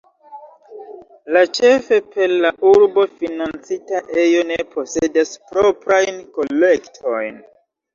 La ĉefe per la urbo financita ejo ne posedas proprajn kolektojn.